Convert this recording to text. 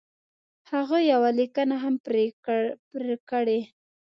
هغه یوه لیکنه هم پر کړې.